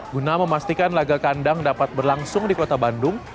guna memastikan laga kandang dapat berlangsung di kota bandung